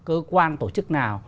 cơ quan tổ chức nào